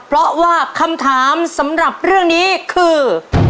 เพราะว่าคำถามสำหรับเรื่องนี้คือ